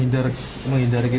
di dalam hari ini